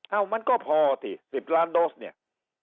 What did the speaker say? มันก็พอสิ๑๐ล้านโดสเนี่ย